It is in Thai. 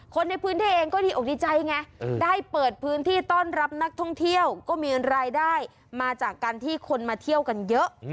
คนในพื้นที่เองก็ดีอกดีใจไงได้เปิดพื้นที่ต้อนรับนักท่องเที่ยวก็มีรายได้มาจากการที่คนมาเที่ยวกันเยอะ